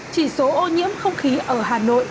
chỉ số ô nhiễm không khí ở hà nội